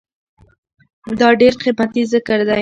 دا ډير قيمتي ذکر دی